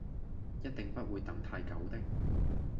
一定不會等太久的